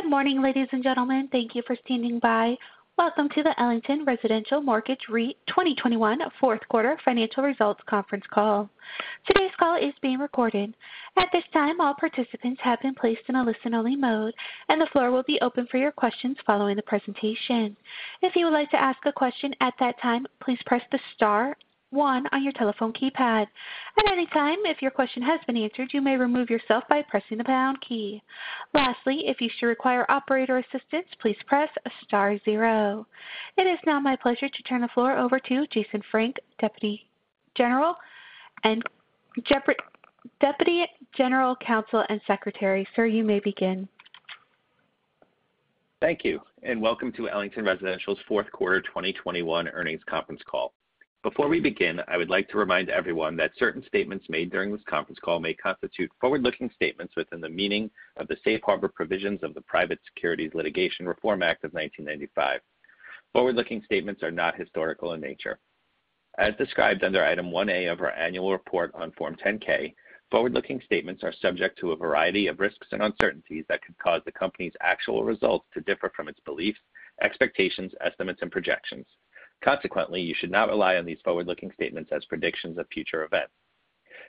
Good morning, ladies and gentlemen. Thank you for standing by. Welcome to the Ellington Residential Mortgage REIT 2021 fourth quarter financial results conference call. Today's call is being recorded. At this time, all participants have been placed in a listen-only mode, and the floor will be open for your questions following the presentation. If you would like to ask a question at that time, please press the star one on your telephone keypad. At any time, if your question has been answered, you may remove yourself by pressing the pound key. Lastly, if you should require operator assistance, please press star zero. It is now my pleasure to turn the floor over to Jason Frank, Deputy General Counsel and Secretary. Sir, you may begin. Thank you, and welcome to Ellington Residential's fourth quarter 2021 earnings conference call. Before we begin, I would like to remind everyone that certain statements made during this conference call may constitute forward-looking statements within the meaning of the Safe Harbor Provisions of the Private Securities Litigation Reform Act of 1995. Forward-looking statements are not historical in nature. As described under Item 1A of our annual report on Form 10-K, forward-looking statements are subject to a variety of risks and uncertainties that could cause the company's actual results to differ from its beliefs, expectations, estimates, and projections. Consequently, you should not rely on these forward-looking statements as predictions of future events.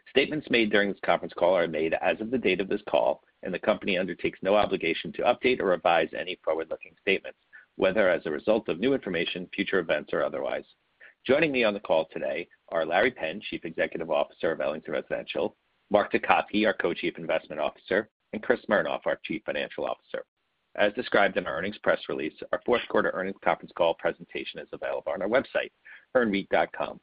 Statements made during this conference call are made as of the date of this call, and the company undertakes no obligation to update or revise any forward-looking statements, whether as a result of new information, future events, or otherwise. Joining me on the call today are Larry Penn, Chief Executive Officer of Ellington Residential, Mark Tecotzky, our Co-Chief Investment Officer, and Chris Smernoff, our Chief Financial Officer. As described in our earnings press release, our fourth quarter earnings conference call presentation is available on our website, earnreit.com.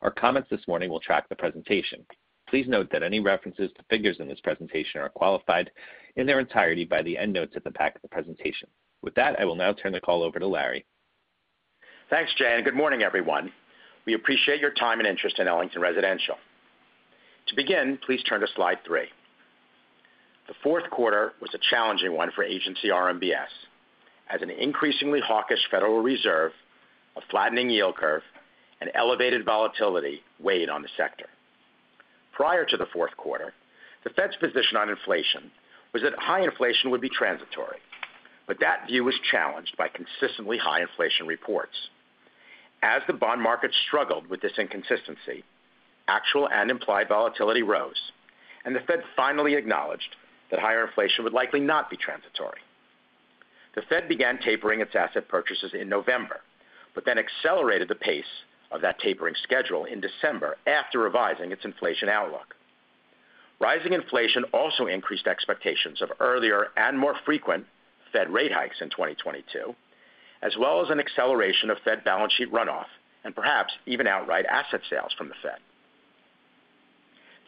Our comments this morning will track the presentation. Please note that any references to figures in this presentation are qualified in their entirety by the endnotes at the back of the presentation. With that, I will now turn the call over to Larry. Thanks, Jay, and good morning, everyone. We appreciate your time and interest in Ellington Residential. To begin, please turn to slide three. The fourth quarter was a challenging one for agency RMBS as an increasingly hawkish Federal Reserve, a flattening yield curve, and elevated volatility weighed on the sector. Prior to the fourth quarter, the Fed's position on inflation was that high inflation would be transitory, but that view was challenged by consistently high inflation reports. As the bond market struggled with this inconsistency, actual and implied volatility rose, and the Fed finally acknowledged that higher inflation would likely not be transitory. The Fed began tapering its asset purchases in November, but then accelerated the pace of that tapering schedule in December after revising its inflation outlook. Rising inflation also increased expectations of earlier and more frequent Fed rate hikes in 2022, as well as an acceleration of Fed balance sheet runoff and perhaps even outright asset sales from the Fed.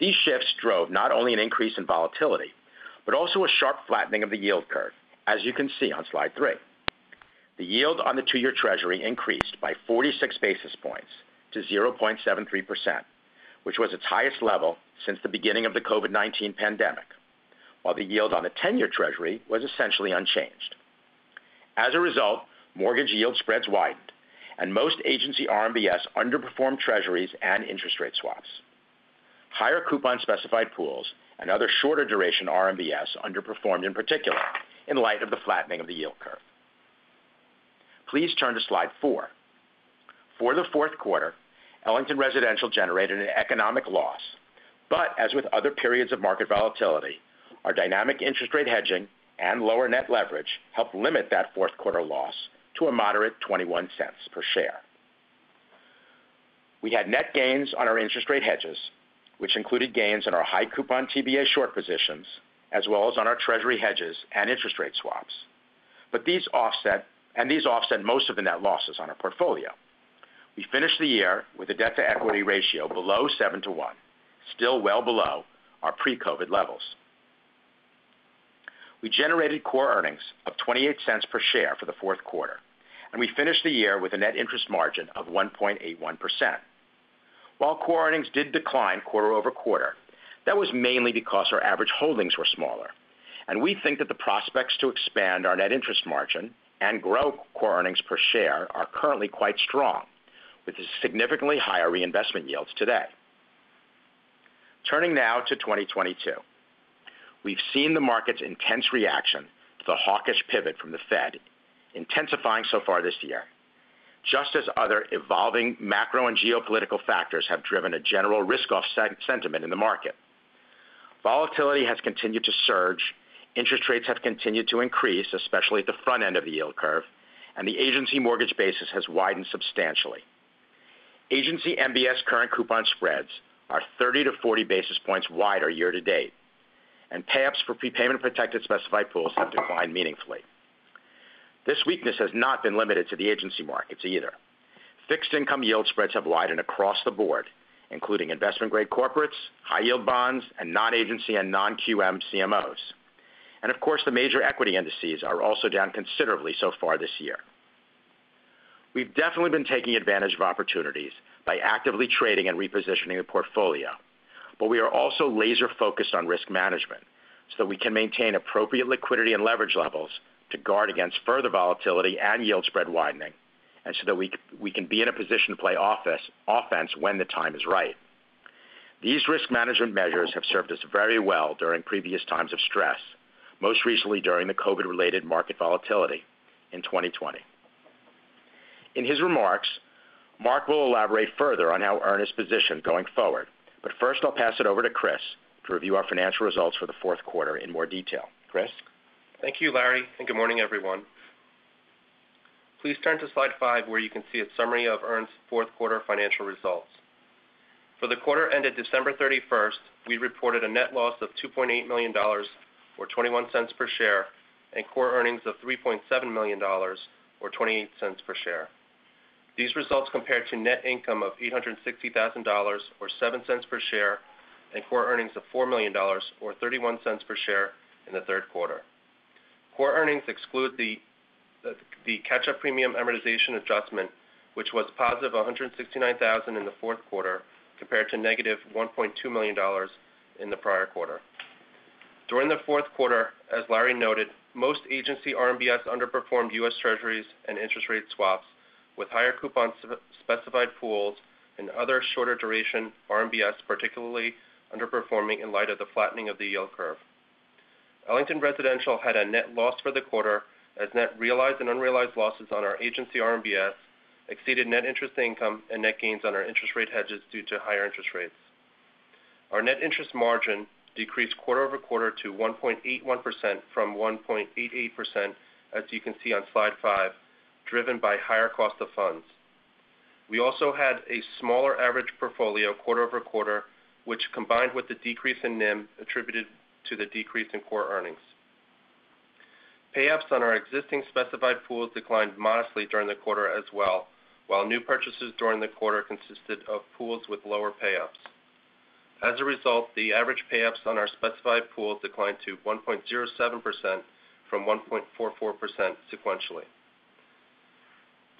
These shifts drove not only an increase in volatility, but also a sharp flattening of the yield curve, as you can see on slide three. The yield on the two-year Treasury increased by 46 basis points to 0.73%, which was its highest level since the beginning of the COVID-19 pandemic, while the yield on the 10-year Treasury was essentially unchanged. As a result, mortgage yield spreads widened, and most agency RMBS underperformed Treasuries and interest rate swaps. Higher coupon specified pools and other shorter duration RMBS underperformed in particular in light of the flattening of the yield curve. Please turn to slide four. For the fourth quarter, Ellington Residential generated an economic loss, but as with other periods of market volatility, our dynamic interest rate hedging and lower net leverage helped limit that fourth quarter loss to a moderate $0.21 per share. We had net gains on our interest rate hedges, which included gains in our high coupon TBA short positions, as well as on our Treasury hedges and interest rate swaps. These offset most of the net losses on our portfolio. We finished the year with a debt-to-equity ratio below 7 to 1, still well below our pre-COVID levels. We generated core earnings of $0.28 per share for the fourth quarter, and we finished the year with a net interest margin of 1.81%. While core earnings did decline quarter-over-quarter, that was mainly because our average holdings were smaller, and we think that the prospects to expand our net interest margin and grow core earnings per share are currently quite strong with the significantly higher reinvestment yields today. Turning now to 2022. We've seen the market's intense reaction to the hawkish pivot from the Fed intensifying so far this year, just as other evolving macro and geopolitical factors have driven a general risk-off sentiment in the market. Volatility has continued to surge, interest rates have continued to increase, especially at the front end of the yield curve, and the agency mortgage basis has widened substantially. Agency MBS current coupon spreads are 30-40 basis points wider year to date, and payups for prepayment protected specified pools have declined meaningfully. This weakness has not been limited to the agency markets either. Fixed income yield spreads have widened across the board, including investment-grade corporates, high-yield bonds, and non-agency and non-QM CMOs. Of course, the major equity indices are also down considerably so far this year. We've definitely been taking advantage of opportunities by actively trading and repositioning the portfolio, but we are also laser-focused on risk management so we can maintain appropriate liquidity and leverage levels to guard against further volatility and yield spread widening, and so that we can be in a position to play offense when the time is right. These risk management measures have served us very well during previous times of stress, most recently during the COVID-related market volatility in 2020. In his remarks, Mark will elaborate further on how Earn is positioned going forward. First, I'll pass it over to Chris to review our financial results for the fourth quarter in more detail. Chris? Thank you, Larry, and good morning, everyone. Please turn to slide five, where you can see a summary of Earn's fourth quarter financial results. For the quarter ended December 31, we reported a net loss of $2.8 million, or $0.21 per share, and core earnings of $3.7 million, or $0.28 per share. These results compare to net income of $860,000, or $0.07 per share, and core earnings of $4 million, or $0.31 per share in the third quarter. Core earnings exclude the catch-up premium amortization adjustment, which was positive $169,000 in the fourth quarter compared to negative $1.2 million in the prior quarter. During the fourth quarter, as Larry noted, most agency RMBS underperformed U.S. Treasuries and interest rate swaps, with higher coupon specified pools and other shorter duration RMBS particularly underperforming in light of the flattening of the yield curve. Ellington Residential had a net loss for the quarter as net realized and unrealized losses on our agency RMBS exceeded net interest income and net gains on our interest rate hedges due to higher interest rates. Our net interest margin decreased quarter-over-quarter to 1.81% from 1.88%, as you can see on slide five, driven by higher cost of funds. We also had a smaller average portfolio quarter-over-quarter, which combined with the decrease in NIM attributed to the decrease in core earnings. Pay-ups on our existing specified pools declined modestly during the quarter as well, while new purchases during the quarter consisted of pools with lower pay-ups. As a result, the average pay-ups on our specified pools declined to 1.07% from 1.44% sequentially.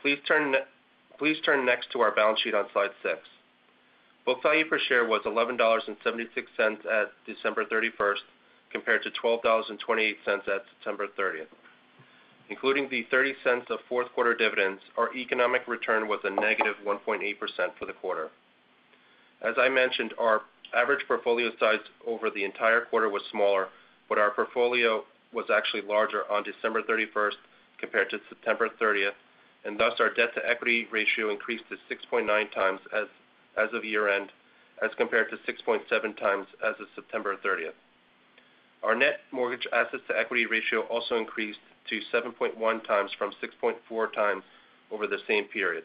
Please turn next to our balance sheet on slide six. Book value per share was $11.76 at December 31, compared to $12.28 at September 30. Including the $0.30 of fourth quarter dividends, our economic return was a negative 1.8% for the quarter. As I mentioned, our average portfolio size over the entire quarter was smaller, but our portfolio was actually larger on December 31 compared to September 30, and thus our debt-to-equity ratio increased to 6.9x as of year-end, as compared to 6.7x as of September 30. Our net mortgage assets to equity ratio also increased to 7.1x from 6.4x over the same period.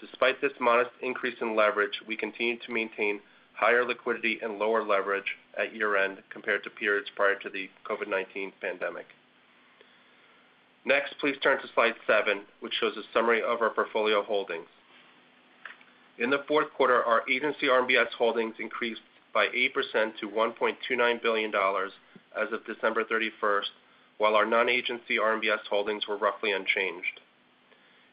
Despite this modest increase in leverage, we continue to maintain higher liquidity and lower leverage at year-end compared to periods prior to the COVID-19 pandemic. Next, please turn to slide seven, which shows a summary of our portfolio holdings. In the fourth quarter, our agency RMBS holdings increased by 8% to $1.29 billion as of December 31, while our non-agency RMBS holdings were roughly unchanged.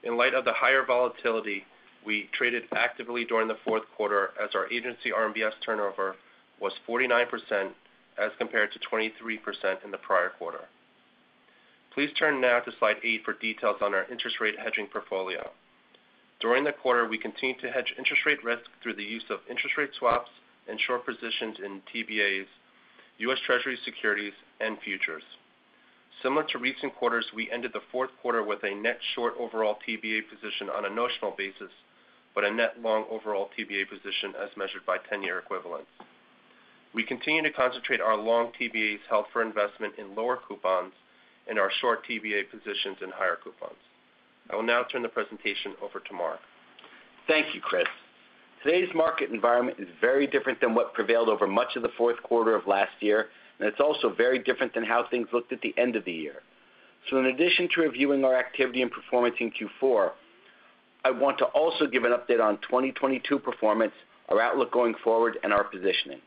In light of the higher volatility, we traded actively during the fourth quarter as our agency RMBS turnover was 49% as compared to 23% in the prior quarter. Please turn now to slide eight for details on our interest rate hedging portfolio. During the quarter, we continued to hedge interest rate risk through the use of interest rate swaps and short positions in TBAs, U.S. Treasury securities, and futures. Similar to recent quarters, we ended the fourth quarter with a net short overall TBA position on a notional basis, but a net long overall TBA position as measured by ten-year equivalents. We continue to concentrate our long TBAs held for investment in lower coupons and our short TBA positions in higher coupons. I will now turn the presentation over to Mark. Thank you, Chris. Today's market environment is very different than what prevailed over much of the fourth quarter of last year, and it's also very different than how things looked at the end of the year. In addition to reviewing our activity and performance in Q4, I want to also give an update on 2022 performance, our outlook going forward, and our positioning.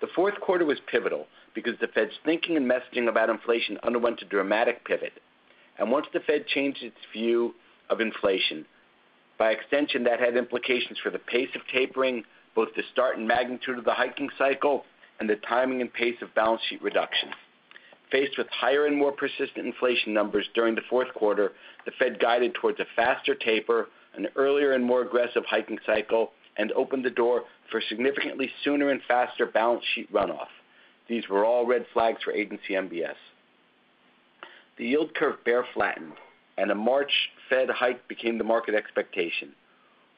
The fourth quarter was pivotal because the Fed's thinking and messaging about inflation underwent a dramatic pivot. Once the Fed changed its view of inflation, by extension, that had implications for the pace of tapering, both the start and magnitude of the hiking cycle, and the timing and pace of balance sheet reduction. Faced with higher and more persistent inflation numbers during the fourth quarter, the Fed guided towards a faster taper, an earlier and more aggressive hiking cycle, and opened the door for significantly sooner and faster balance sheet runoff. These were all red flags for agency MBS. The yield curve bear flattened and a March Fed hike became the market expectation.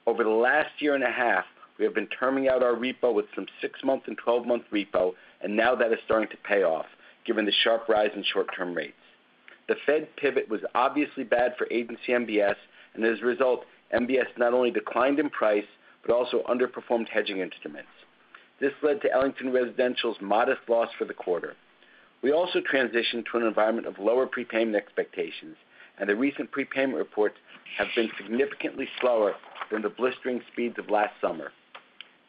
Over the last year and a half, we have been terming out our repo with some six-month and 12-month repo, and now that is starting to pay off, given the sharp rise in short-term rates. The Fed pivot was obviously bad for agency MBS, and as a result, MBS not only declined in price but also underperformed hedging instruments. This led to Ellington Residential's modest loss for the quarter. We also transitioned to an environment of lower prepayment expectations, and the recent prepayment reports have been significantly slower than the blistering speeds of last summer.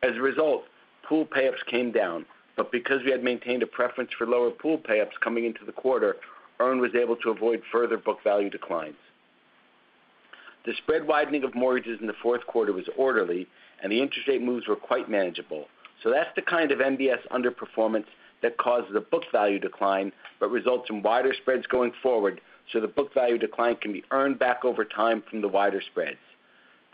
As a result, pool payups came down, but because we had maintained a preference for lower pool payups coming into the quarter, EARN was able to avoid further book value declines. The spread widening of mortgages in the fourth quarter was orderly, and the interest rate moves were quite manageable. That's the kind of MBS underperformance that causes a book value decline but results in wider spreads going forward, so the book value decline can be earned back over time from the wider spreads.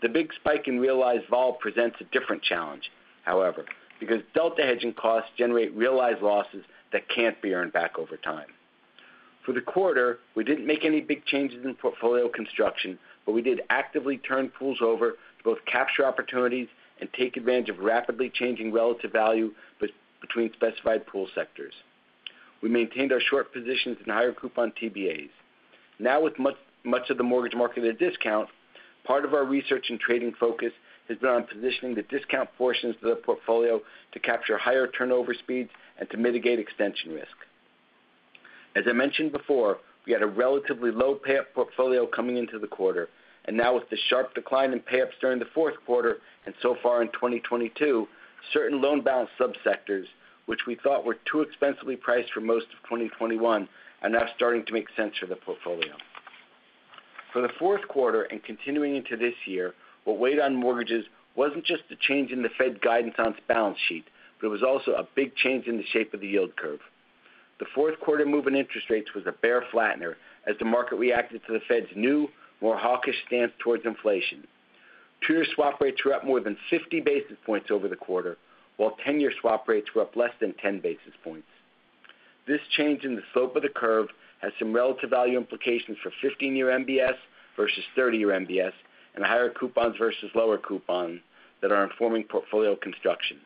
The big spike in realized vol presents a different challenge, however, because delta hedging costs generate realized losses that can't be earned back over time. For the quarter, we didn't make any big changes in portfolio construction, but we did actively turn pools over to both capture opportunities and take advantage of rapidly changing relative value between specified pool sectors. We maintained our short positions in higher coupon TBAs. Now with much of the mortgage market at a discount, part of our research and trading focus has been on positioning the discount portions of the portfolio to capture higher turnover speeds and to mitigate extension risk. As I mentioned before, we had a relatively low pay-up portfolio coming into the quarter, and now with the sharp decline in pay-ups during the fourth quarter and so far in 2022, certain loan balance sub-sectors, which we thought were too expensively priced for most of 2021, are now starting to make sense for the portfolio. For the fourth quarter and continuing into this year, what weighed on mortgages wasn't just the change in the Fed guidance on its balance sheet, but it was also a big change in the shape of the yield curve. The fourth quarter move in interest rates was a bear flattener as the market reacted to the Fed's new, more hawkish stance towards inflation. Two-year swap rates were up more than 50 basis points over the quarter, while ten-year swap rates were up less than 10 basis points. This change in the slope of the curve has some relative value implications for 15-year MBS versus 30-year MBS and higher coupons versus lower coupons that are informing portfolio construction.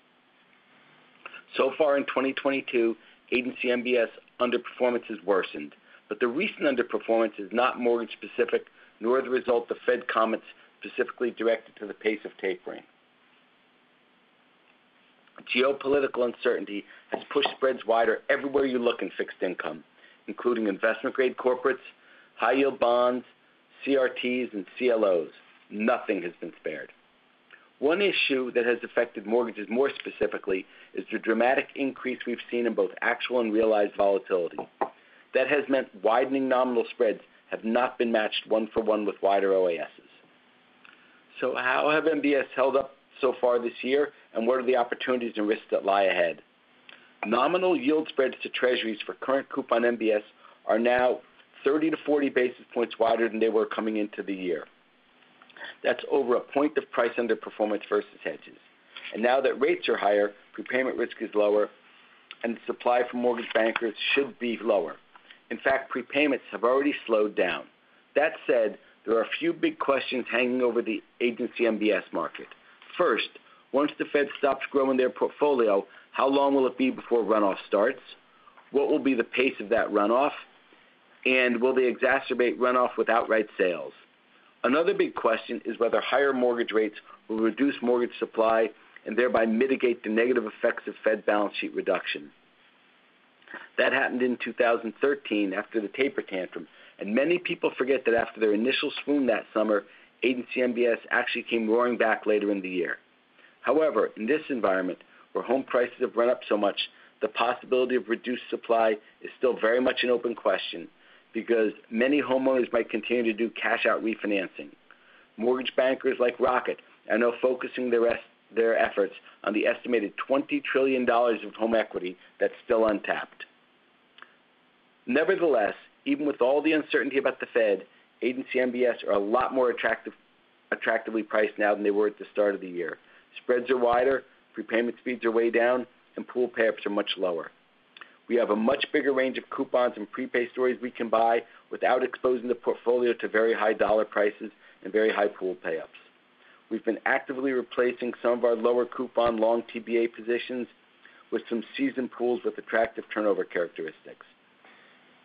So far in 2022, agency MBS underperformance has worsened, but the recent underperformance is not mortgage specific, nor the result of Fed comments specifically directed to the pace of tapering. Geopolitical uncertainty has pushed spreads wider everywhere you look in fixed income, including investment-grade corporates, high-yield bonds, CRTs, and CLOs. Nothing has been spared. One issue that has affected mortgages more specifically is the dramatic increase we've seen in both actual and realized volatility. That has meant widening nominal spreads have not been matched one-for-one with wider OASs. How have MBS held up so far this year, and what are the opportunities and risks that lie ahead? Nominal yield spreads to Treasuries for current coupon MBS are now 30-40 basis points wider than they were coming into the year. That's over a point of price underperformance versus hedges. Now that rates are higher, prepayment risk is lower and supply from mortgage bankers should be lower. In fact, prepayments have already slowed down. That said, there are a few big questions hanging over the agency MBS market. First, once the Fed stops growing their portfolio, how long will it be before runoff starts? What will be the pace of that runoff? And will they exacerbate runoff with outright sales? Another big question is whether higher mortgage rates will reduce mortgage supply and thereby mitigate the negative effects of Fed balance sheet reduction. That happened in 2013 after the taper tantrum, and many people forget that after their initial swoon that summer, agency MBS actually came roaring back later in the year. However, in this environment, where home prices have run up so much, the possibility of reduced supply is still very much an open question because many homeowners might continue to do cash-out refinancing. Mortgage bankers like Rocket are now focusing their efforts on the estimated $20 trillion of home equity that's still untapped. Nevertheless, even with all the uncertainty about the Fed, agency MBS are a lot more attractive, attractively priced now than they were at the start of the year. Spreads are wider, prepayment speeds are way down, and pool pay-ups are much lower. We have a much bigger range of coupons and prepay stories we can buy without exposing the portfolio to very high dollar prices and very high pool pay-ups. We've been actively replacing some of our lower coupon long TBA positions with some seasoned pools with attractive turnover characteristics.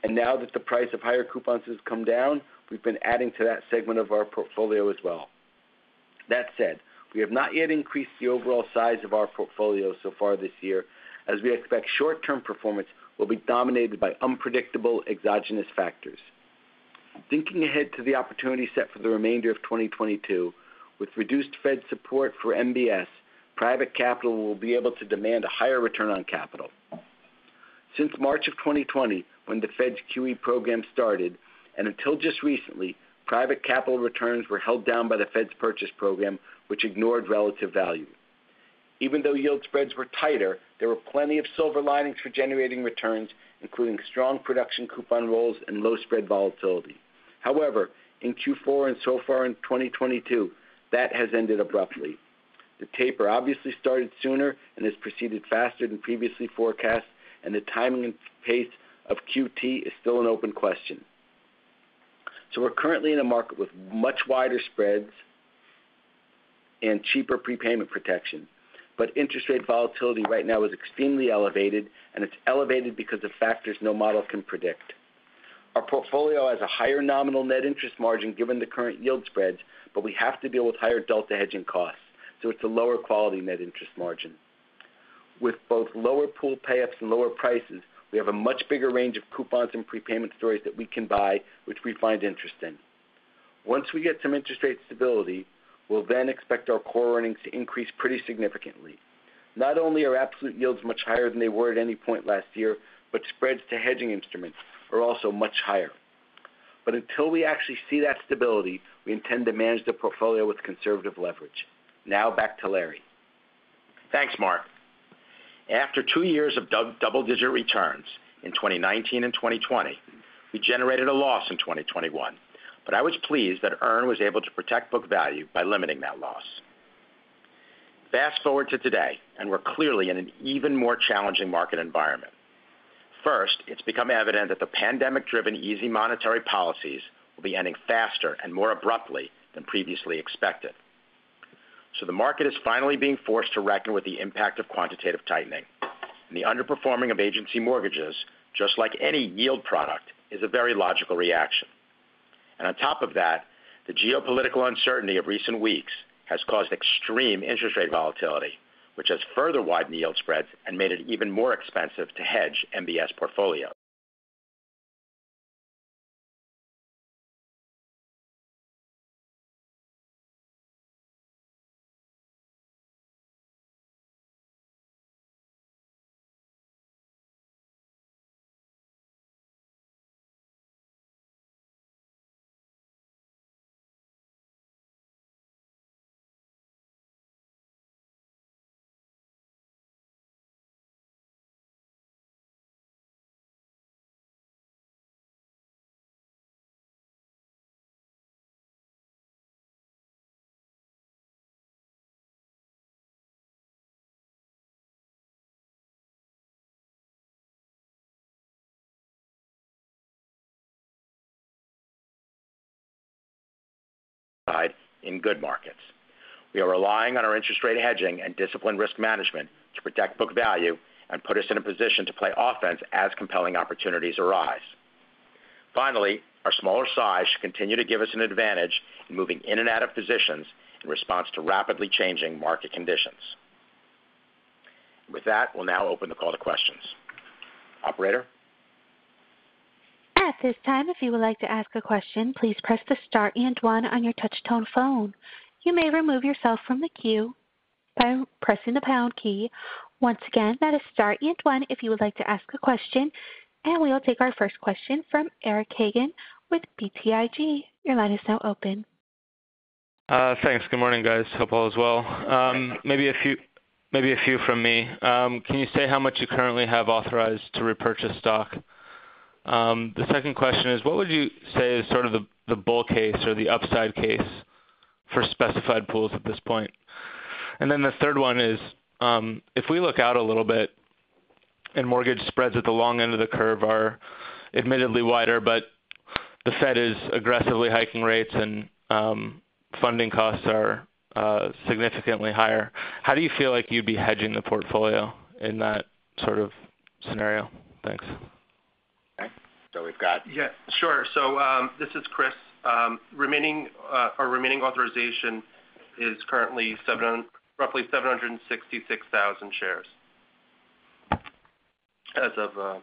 Now that the price of higher coupons has come down, we've been adding to that segment of our portfolio as well. That said, we have not yet increased the overall size of our portfolio so far this year, as we expect short-term performance will be dominated by unpredictable exogenous factors. Thinking ahead to the opportunity set for the remainder of 2022, with reduced Fed support for MBS, private capital will be able to demand a higher return on capital. Since March of 2020, when the Fed's QE program started, and until just recently, private capital returns were held down by the Fed's purchase program, which ignored relative value. Even though yield spreads were tighter, there were plenty of silver linings for generating returns, including strong production coupon rolls and low spread volatility. However, in Q4 and so far in 2022, that has ended abruptly. The taper obviously started sooner and has proceeded faster than previously forecast, and the timing and pace of QT is still an open question. We're currently in a market with much wider spreads and cheaper prepayment protection, but interest rate volatility right now is extremely elevated, and it's elevated because of factors no model can predict. Our portfolio has a higher nominal net interest margin given the current yield spreads, but we have to deal with higher delta hedging costs, so it's a lower quality net interest margin. With both lower pool pay-ups and lower prices, we have a much bigger range of coupons and prepayment stories that we can buy, which we find interesting. Once we get some interest rate stability, we'll then expect our core earnings to increase pretty significantly. Not only are absolute yields much higher than they were at any point last year, but spreads to hedging instruments are also much higher. Until we actually see that stability, we intend to manage the portfolio with conservative leverage. Now back to Larry. Thanks, Mark. After two years of double-digit returns in 2019 and 2020, we generated a loss in 2021. I was pleased that EARN was able to protect book value by limiting that loss. Fast-forward to today, and we're clearly in an even more challenging market environment. First, it's become evident that the pandemic-driven easy monetary policies will be ending faster and more abruptly than previously expected. The market is finally being forced to reckon with the impact of quantitative tightening, and the underperforming of agency mortgages, just like any yield product, is a very logical reaction. On top of that, the geopolitical uncertainty of recent weeks has caused extreme interest rate volatility, which has further widened yield spreads and made it even more expensive to hedge MBS portfolios. Besides, in good markets. We are relying on our interest rate hedging and disciplined risk management to protect book value and put us in a position to play offense as compelling opportunities arise. Finally, our smaller size should continue to give us an advantage in moving in and out of positions in response to rapidly changing market conditions. With that, we'll now open the call to questions. Operator? We will take our first question from Eric Hagen with BTIG. Your line is now open. Thanks. Good morning, guys. Hope all is well. Maybe a few from me. Can you say how much you currently have authorized to repurchase stock? The second question is what would you say is sort of the bull case or the upside case for specified pools at this point? Then the third one is if we look out a little bit and mortgage spreads at the long end of the curve are admittedly wider but the Fed is aggressively hiking rates and funding costs are significantly higher, how do you feel like you'd be hedging the portfolio in that sort of scenario? Thanks. Okay. Yeah, sure. This is Chris. Our remaining authorization is currently roughly 766,000 shares as of now.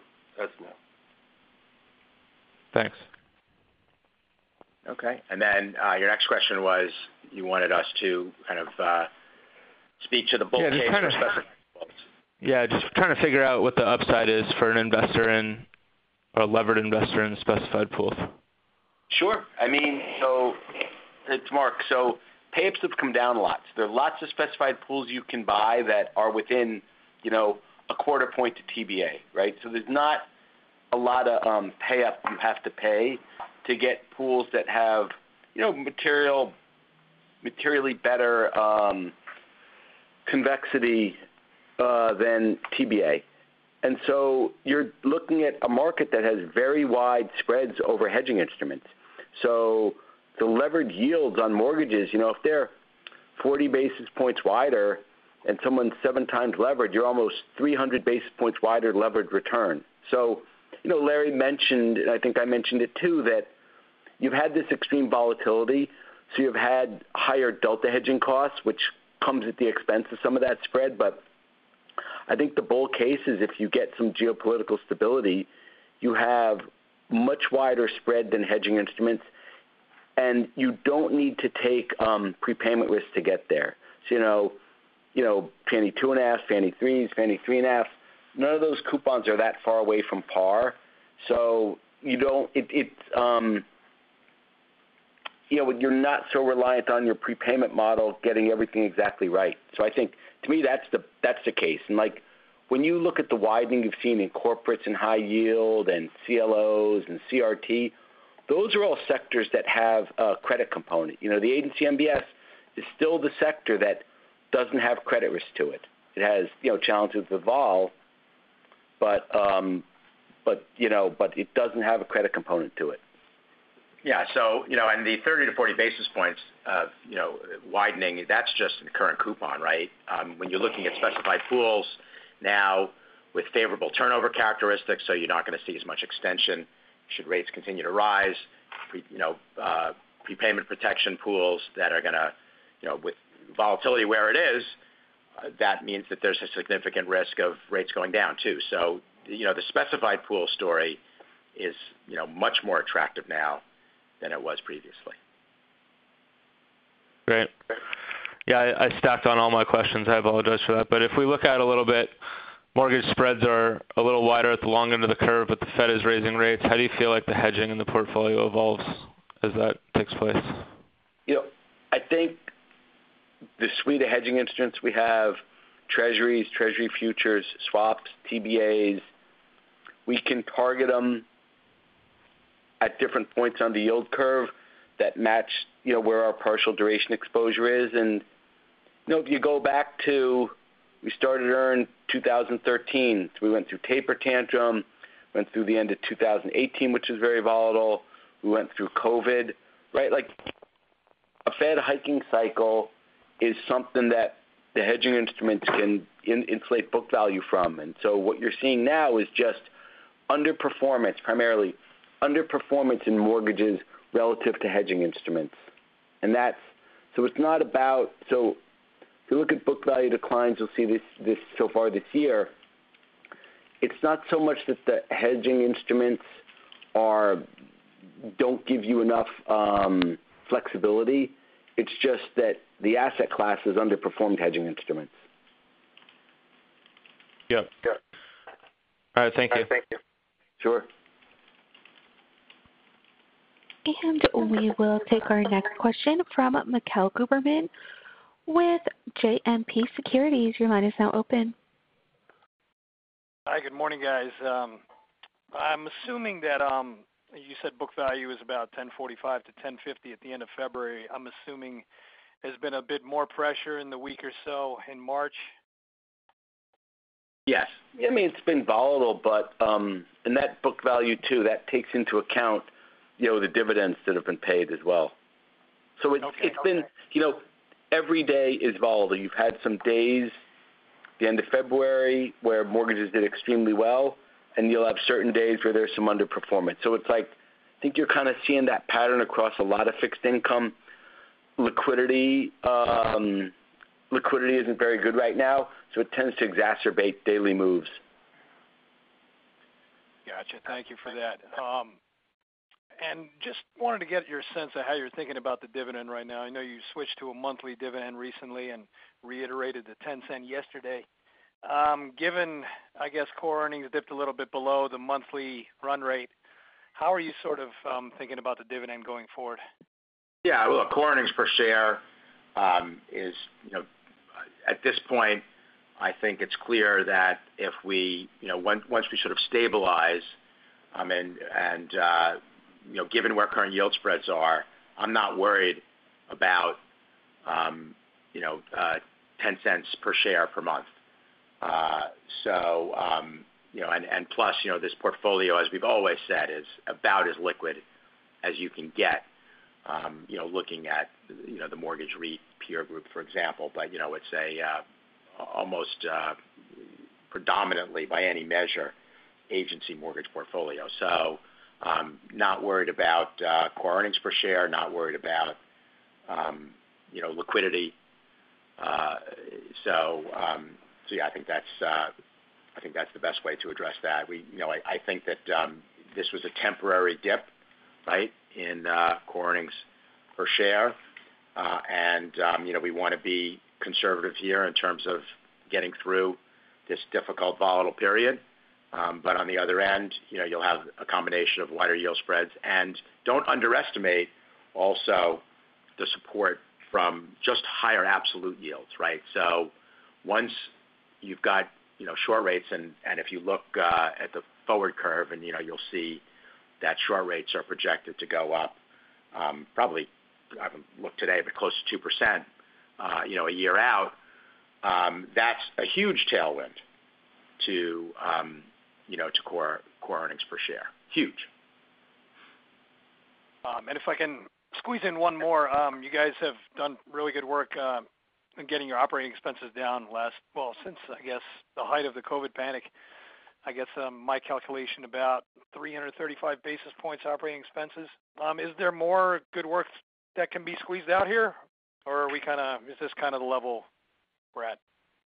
Thanks. Okay. Your next question was you wanted us to kind of speak to the bull case. Yeah, just trying to figure out what the upside is for an investor in, or a levered investor in, the specified pools. Sure. I mean, it's Mark. Pay-ups have come down a lot. There are lots of specified pools you can buy that are within, you know, a quarter point to TBA, right? There's not a lot of pay-up you have to pay to get pools that have, you know, materially better convexity than TBA. You're looking at a market that has very wide spreads over hedging instruments. The levered yields on mortgages, you know, if they're 40 basis points wider and someone's 7 times leverage, you're almost 300 basis points wider levered return. You know, Larry mentioned, and I think I mentioned it too, that you've had this extreme volatility, so you've had higher delta hedging costs, which comes at the expense of some of that spread. I think the bull case is if you get some geopolitical stability, you have much wider spread than hedging instruments, and you don't need to take prepayment risks to get there. You know, Fannie 2.5, Fannie 3, Fannie 3.5, none of those coupons are that far away from par. You're not so reliant on your prepayment model getting everything exactly right. I think to me, that's the case. Like, when you look at the widening you've seen in corporates and high yield and CLOs and CRT, those are all sectors that have a credit component. You know, the agency MBS is still the sector that doesn't have credit risk to it. It has, you know, challenges of vol, but, you know, it doesn't have a credit component to it. Yeah. You know, and the 30-40 basis points of, you know, widening, that's just in the current coupon, right? When you're looking at specified pools now with favorable turnover characteristics, you're not going to see as much extension should rates continue to rise. You know, prepayment protection pools that are gonna, you know, with volatility where it is, that means that there's a significant risk of rates going down too. You know, the specified pool story is, you know, much more attractive now than it was previously. Great. Yeah, I stacked on all my questions. I apologize for that. If we look out a little bit. Mortgage spreads are a little wider at the long end of the curve, but the Fed is raising rates. How do you feel like the hedging in the portfolio evolves as that takes place? You know, I think the suite of hedging instruments we have, treasuries, treasury futures, swaps, TBAs, we can target them at different points on the yield curve that match, you know, where our partial duration exposure is. You know, if you go back to when we started EARN in 2013, we went through taper tantrum. We went through the end of 2018, which was very volatile. We went through COVID, right. Like a Fed hiking cycle is something that the hedging instruments can insulate book value from. What you're seeing now is just underperformance, primarily underperformance in mortgages relative to hedging instruments. That's it. If you look at book value declines, you'll see this so far this year. It's not so much that the hedging instruments don't give you enough flexibility. It's just that the asset class has underperformed hedging instruments. Yep. All right. Thank you. Sure. We will take our next question from Mikhail Goberman with JMP Securities. Your line is now open. Hi. Good morning, guys. I'm assuming that you said book value is about $10.45-$10.50 at the end of February. I'm assuming there's been a bit more pressure in the week or so in March. Yes. I mean, it's been volatile, but and that book value too, that takes into account, you know, the dividends that have been paid as well. Okay. It's been, you know, every day is volatile. You've had some days at the end of February where mortgages did extremely well, and you'll have certain days where there's some underperformance. It's like I think you're kind of seeing that pattern across a lot of fixed income liquidity. Liquidity isn't very good right now, so it tends to exacerbate daily moves. Gotcha. Thank you for that. Just wanted to get your sense of how you're thinking about the dividend right now. I know you switched to a monthly dividend recently and reiterated the $0.10 yesterday. Given, I guess, core earnings dipped a little bit below the monthly run rate, how are you sort of thinking about the dividend going forward? Yeah. Look, core earnings per share is, you know, at this point, I think it's clear that if we, you know, once we sort of stabilize, I mean, and, you know, given where current yield spreads are, I'm not worried about, you know, $0.10 per share per month. You know, and plus, you know, this portfolio, as we've always said, is about as liquid as you can get, you know, looking at, you know, the mortgage REIT peer group, for example. You know, it's almost predominantly by any measure, agency mortgage portfolio. Not worried about core earnings per share, not worried about, you know, liquidity. Yeah, I think that's the best way to address that. We You know, I think that this was a temporary dip, right, in core earnings per share. You know, we wanna be conservative here in terms of getting through this difficult volatile period. On the other end, you know, you'll have a combination of wider yield spreads. Don't underestimate also the support from just higher absolute yields, right? Once you've got you know, short rates and if you look at the forward curve and you know, you'll see that short rates are projected to go up, probably. I haven't looked today, but close to 2%, you know, a year out. That's a huge tailwind to you know, to core earnings per share. Huge. If I can squeeze in one more. You guys have done really good work in getting your operating expenses down, well, since I guess the height of the COVID panic. I guess my calculation about 335 basis points operating expenses. Is there more good work that can be squeezed out here, or is this kinda the level we're at?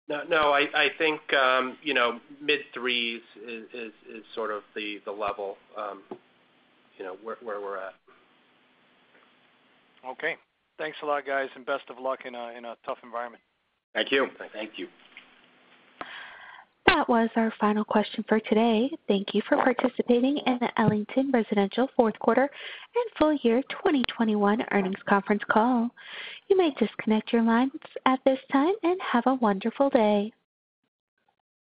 No, I think, you know, mid-threes is sort of the level, you know, where we're at. Okay. Thanks a lot, guys, and best of luck in a tough environment. Thank you. Thank you. That was our final question for today. Thank you for participating in the Ellington Residential fourth quarter and full year 2021 earnings conference call. You may disconnect your lines at this time, and have a wonderful day.